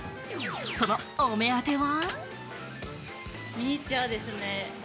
そのお目当ては？